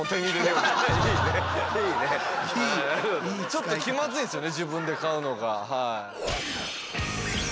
ちょっと気まずいんですよね